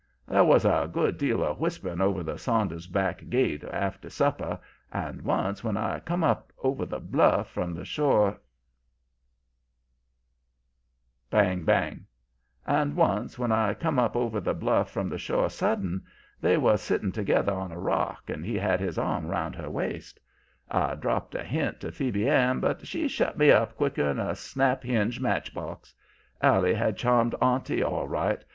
There was a good deal of whispering over the Saunders back gate after supper, and once, when I come up over the bluff from the shore sudden, they was sitting together on a rock and he had his arm round her waist. I dropped a hint to Phoebe Ann, but she shut me up quicker'n a snap hinge match box. Allie had charmed 'auntie' all right.